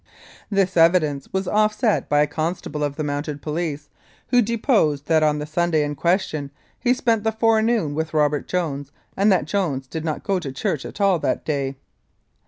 This evidence was offset by a constable of the Mounted Police, who deposed that on the Sunday in question he spent the forenoon with Robert Jones and that Jones did not go to church at all that day.